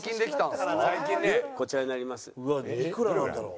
うわっいくらなんだろう？